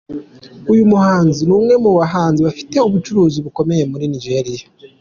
Uyu muhanzi , ni umwe mu bahanzi bafite ubucuruzi bukomeye muri Nigeria.